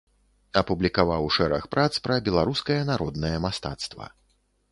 Апублікаваў шэраг прац пра беларускае народнае мастацтва.